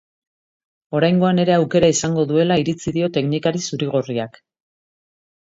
Oraingoan ere aukera izango duela iritzi dio teknikari zuri-gorriak.